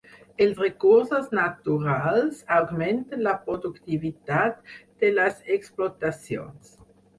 Els recursos naturals augmenten la productivitat de les explotacions.